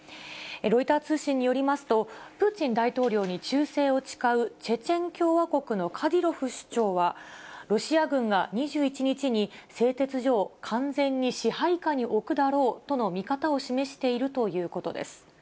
ロイター通信によりますと、プーチン大統領に忠誠を誓うチェチェン共和国のカディロフ首長は、ロシア軍が２１日に、製鉄所を完全に支配下に置くだろうとの見方を示しているということです。